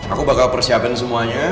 aku bakal persiapin semuanya